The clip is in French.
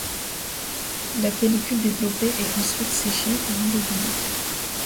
La pellicule développée est ensuite séchée et embobinée.